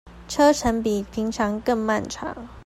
車程比平常更漫長